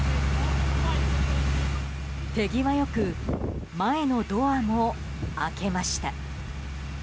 手際よく前のドアも開けます。